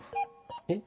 えっ？